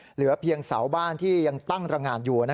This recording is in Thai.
เหลือเพียงเสาบ้านที่ยังตั้งตรงานอยู่